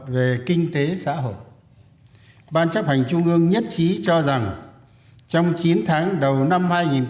một về kinh tế xã hội ban chấp hành trung ương nhất trí cho rằng trong chín tháng đầu năm hai nghìn một mươi tám